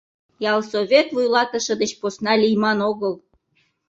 Ялсовет вуйлатыше деч посна лийман огыл.